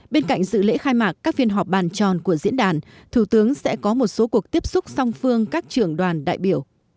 bên cạnh dự lễ khai mạc các phiên họp bàn tròn của diễn đàn thủ tướng sẽ có một số cuộc tiếp xúc song phương các trưởng đoàn đại biểu